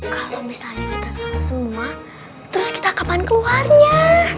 kalau misalnya kita sembuh semua terus kita kapan keluarnya